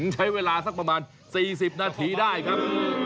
ใช้เวลาสักประมาณ๔๐นาทีได้ครับ